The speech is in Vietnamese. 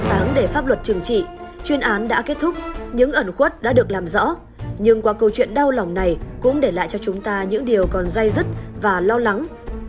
hương đưa ra ánh sáng để pháp luật trừng trị chuyên án đã kết thúc những ẩn khuất đã được làm rõ nhưng qua câu chuyện đau lòng này cũng để lại cho chúng ta những điều còn dây dứt và lo lắng